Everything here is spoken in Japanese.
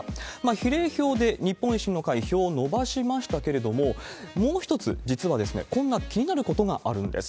比例票で日本維新の会、票を伸ばしましたけれども、もう一つ、実はこんな気になることがあるんです。